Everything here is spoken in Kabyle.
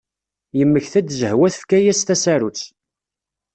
Yemmekta-d Zehwa tefka-as tasarut.